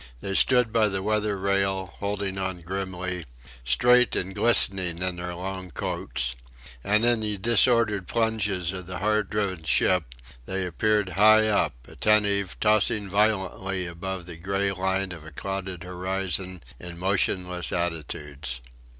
They stood by the weather rail, holding on grimly, straight and glistening in their long coats; and in the disordered plunges of the hard driven ship, they appeared high up, attentive, tossing violently above the grey line of a clouded horizon in motionless attitudes.